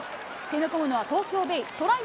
攻め込むのは東京ベイ。